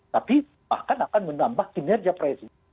tapi bahkan akan menambah kinerja presiden